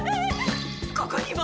ここにも！